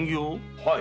はい。